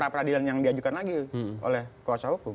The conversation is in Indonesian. peradilan yang diajukan lagi oleh kuasa hukum